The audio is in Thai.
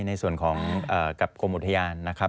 ในส่วนของกับกรมอุทยานนะครับ